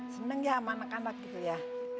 seneng ya sama anak anak gitu ya